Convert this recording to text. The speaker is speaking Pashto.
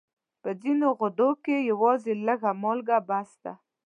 په ځینو غذاوو کې یوازې لږه مالګه بس ده.